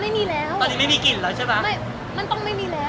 ถ้าทำอะไรเราต้องคุยกันแล้ว